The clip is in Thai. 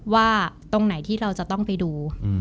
ว่าตรงไหนที่เราจะต้องไปดู